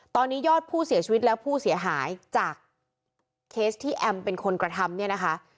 ตอนนี้ยอดผู้เสียชีวิตและผู้เสียหายจากเคสที่แอมเป็นคนกระทำเนี่ยนะคะ